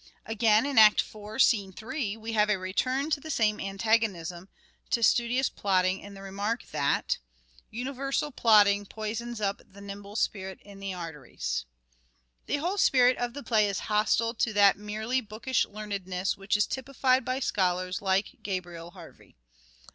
Again in Act IV, 3, we have a return to the same antagonism to studious plodding in the remark that " Universal plodding poisons up The nimble spirit in the arteries." The whole spirit of the play is hostile to that merely bookish learnedness which is typified by scholars like Gabriel Harvey.